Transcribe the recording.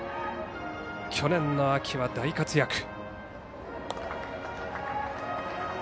去年秋は大活躍。